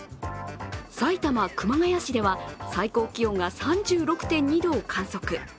埼玉・熊谷市では最高気温が３６．２度を観測。